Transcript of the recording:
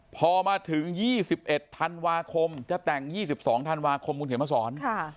พอมาถึง๒๑ธันวาคมจะแต่ง๒๒ธันวาคมคุณเขียนมาสอน